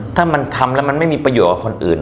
ถ้ามันทำแล้วมันไม่มีประโยชน์กับคนอื่น